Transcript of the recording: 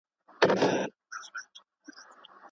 له بدو عادتونو به ځان ژغورئ.